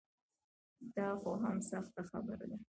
دا خو هم سخته خبره ده.